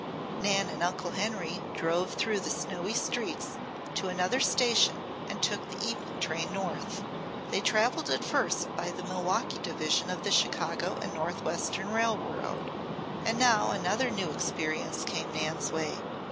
Nan and Uncle Henry drove through the snowy streets to another station and took the evening train north. They traveled at first by the Milwaukee Division of the Chicago and Northwestern Railroad; and now another new experience came Nan's way.